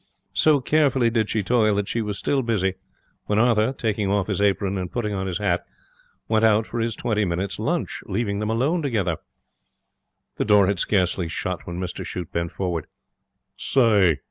So carefully did she toil that she was still busy when Arthur, taking off his apron and putting on his hat, went out for his twenty minutes' lunch, leaving them alone together. The door had scarcely shut when Mr Shute bent forward. 'Say!'